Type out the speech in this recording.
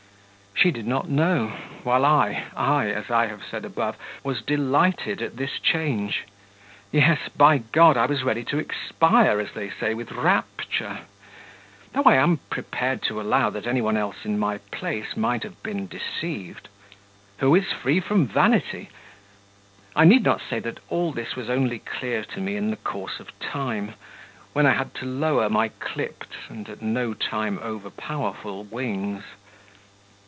She did not know ... while I ... I, as I have said above, was delighted at this change.... Yes, by God, I was ready to expire, as they say, with rapture. Though I am prepared to allow that any one else in my place might have been deceived.... Who is free from vanity? I need not say that all this was only clear to me in the course of time, when I had to lower my clipped and at no time over powerful wings.